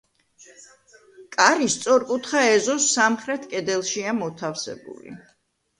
კარი სწორკუთხა ეზოს სამხრეთ კედელშია მოთავსებული.